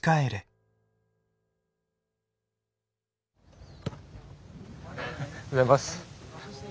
おはようございます。